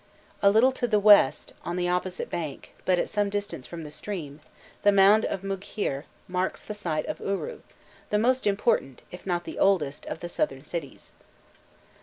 A little to the west, on the opposite bank, but at some distance from the stream, the mound of Mugheir marks the site of Uru, the most important, if not the oldest, of the southern cities.